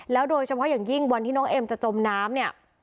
โดยเฉพาะอย่างยิ่งวันที่น้องเอ็มจะจมน้ำเนี่ย